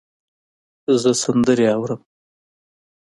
زه سندرې اورم